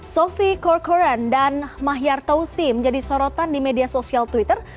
sophie corcoran dan mahyar tausi menjadi sorotan di media sosial twitter